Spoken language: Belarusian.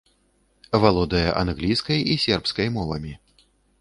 Валодае англійскай і сербскай мовамі.